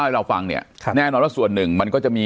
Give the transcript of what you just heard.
สวัสดีครับทุกผู้ชม